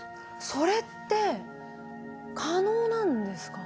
それって可能なんですか？